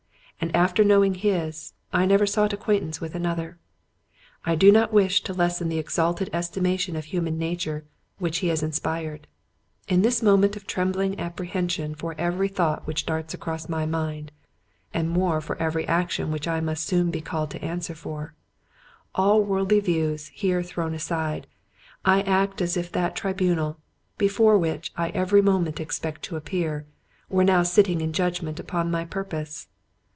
After knowing his, I never sought acquaintance with another—I did not wish to lessen the exalted estimation of human nature which he had inspired. In this moment of trembling apprehension for every thought which darts across my mind, and more for every action which I must soon be called to answer for; all worldly views here thrown aside, I act as if that tribunal, before which I every moment expect to appear, were now sitting in judgment upon my purpose.